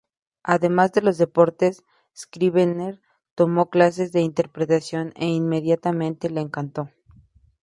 Además de los deportes, Scribner tomó clases de interpretación e inmediatamente le encantó.